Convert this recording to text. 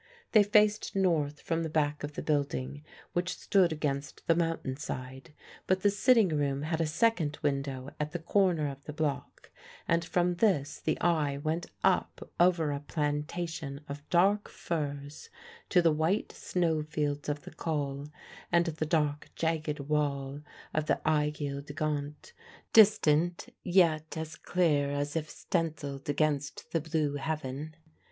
They faced north from the back of the building, which stood against the mountain side; but the sitting room had a second window at the corner of the block, and from this the eye went up over a plantation of dark firs to the white snowfields of the Col and the dark jagged wall of the Aiguille du Geant distant, yet as clear as if stencilled against the blue heaven.